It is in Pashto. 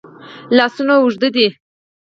لاسونه اوږد دي.